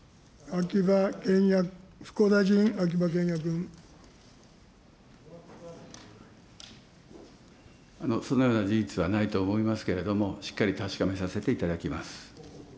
秋葉賢也君、復興大臣、そのような事実はないと思いますけれども、しっかり確かめさせていただきます。